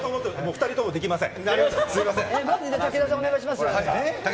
２人ともできません。